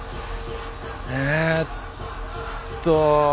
えっと。